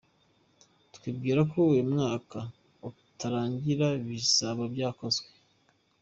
twibwira ko uyu mwaka utararangira bizaba byakozwe.